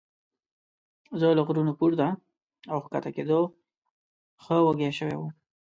زه له غرونو پورته او ښکته کېدلو ښه وږی شوی وم.